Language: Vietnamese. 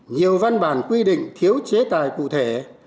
nhiều văn bản quy định thiếu chế tài cụ thể